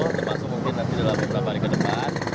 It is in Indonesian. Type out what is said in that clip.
termasuk mungkin nanti dalam beberapa hari ke depan